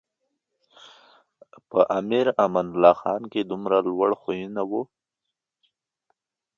په امیر امان الله خان کې دومره لوړ خویونه و.